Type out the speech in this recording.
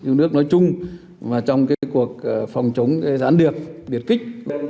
yêu nước nói chung và trong cái cuộc phòng chống gián điệp biệt kích